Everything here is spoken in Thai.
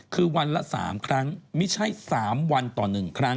คือวันละสามครั้งไม่ใช่สามวันต่อหนึ่งครั้ง